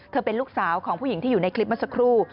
เป็นลูกสาวของผู้หญิงที่อยู่ในคลิปเมื่อสักครู่